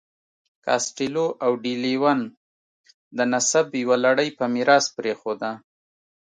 کاسټیلو او ډي لیون د نسب یوه لړۍ په میراث پرېښوده.